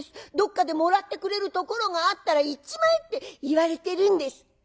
どっかでもらってくれるところがあったら行っちまえって言われてるんです」。